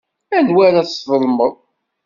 Anwa ara tesḍelmeḍ?